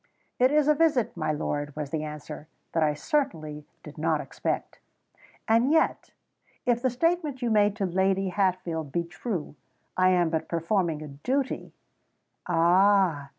"It is a visit, my lord," was the answer, "that I certainly did not expect." "And yet—if the statement you made to Lady Hatfield be true—I am but performing a duty——" "Ah!